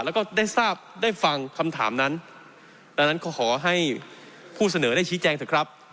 แล้วก็ได้ทราบได้ฟังคำถามนั้นดังนั้นก็ขอให้ผู้เสนอได้ชี้แจงเถอะครับ